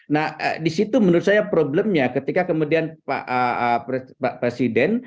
nah disitu menurut saya problemnya ketika kemudian pak presiden